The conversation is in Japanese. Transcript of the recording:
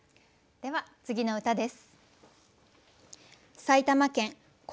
では次の歌です。